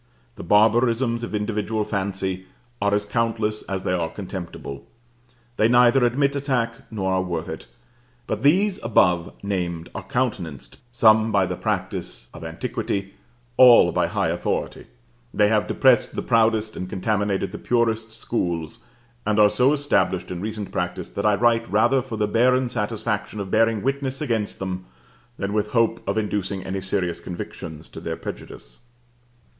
The barbarisms of individual fancy are as countless as they are contemptible; they neither admit attack nor are worth it; but these above named are countenanced, some by the practice of antiquity, all by high authority: they have depressed the proudest, and contaminated the purest schools, and are so established in recent practice that I write rather for the barren satisfaction of bearing witness against them, than with hope of inducing any serious convictions to their prejudice.